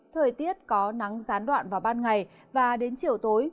thời tiết có nắng gián đoạn vào ban ngày và đến chiều tối